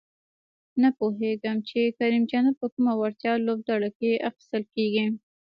زه نپوهېږم چې کریم جنت په کومه وړتیا لوبډله کې اخیستل کیږي؟